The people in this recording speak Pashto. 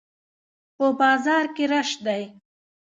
په بازار کښي رش دئ.